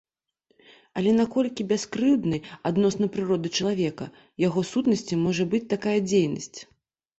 Але наколькі бяскрыўднай адносна прыроды чалавека, яго сутнасці можа быць такая дзейнасць?